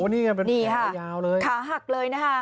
นี่ค่ะขาหักเลยนะคะ